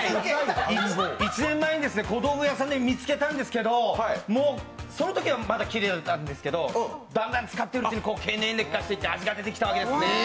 １年前に古道具屋さんで見つけたんですけど、そのときはまだきれいだったんですけど、だんだん使ってるうちに経年劣化で味が出てきたわけですね。